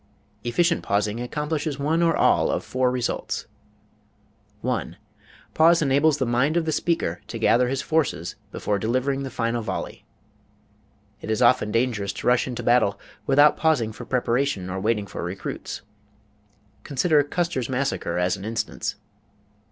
Efficient pausing accomplishes one or all of four results: 1. Pause Enables the Mind of the Speaker to Gather His Forces Before Delivering the Final Volley It is often dangerous to rush into battle without pausing for preparation or waiting for recruits. Consider Custer's massacre as an instance.